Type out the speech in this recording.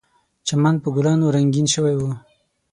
چمن په ګلونو رنګین شوی و.